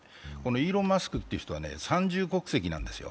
イーロン・マスクという人は三重国籍なんですよ。